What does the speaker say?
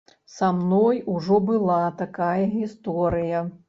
Са мной ужо была такая гісторыя.